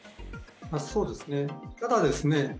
そうですね、ただですね